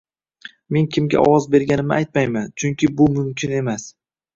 Men kimga ovoz berganimni aytmayman, chunki bu mumkin emas